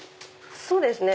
そうですね。